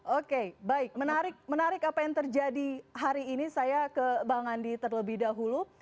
oke baik menarik apa yang terjadi hari ini saya ke bang andi terlebih dahulu